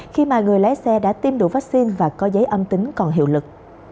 khi mà người lái xe đã tiêm đủ vaccine và có giấy âm tính còn hiệu lực